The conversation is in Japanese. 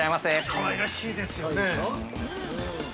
◆かわいらしいですよね。